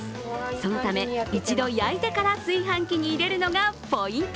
そのため、一度焼いてから炊飯器に入れるのがポイント。